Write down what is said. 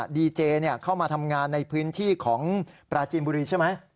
ดีเจเข้ามาทำงานในพื้นที่ของปราจีนบุรีใช่ไหม